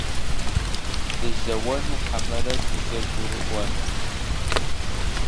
Дызэуэну хьэмэрэ дызэгурыӏуэну?